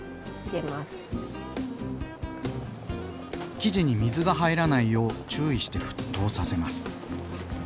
生地に水が入らないよう注意して沸騰させます。